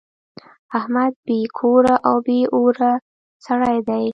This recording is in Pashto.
احمد بې کوره او بې اوره سړی دی.